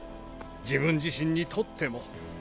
自分自身にとっても。